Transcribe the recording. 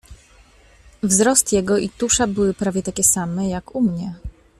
"Wzrost jego i tusza były prawie takie same, jak u mnie."